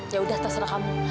ya udah tak serah kamu